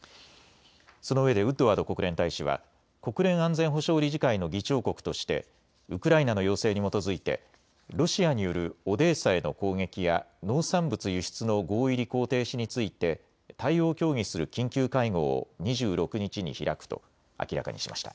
そのうえでウッドワード国連大使は国連安全保障理事会の議長国としてウクライナの要請に基づいてロシアによるオデーサへの攻撃や農産物輸出の合意履行停止について対応を協議する緊急会合を２６日に開くと明らかにしました。